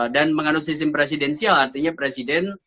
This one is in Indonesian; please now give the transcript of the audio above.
dan mengandung sistem presidensial artinya presiden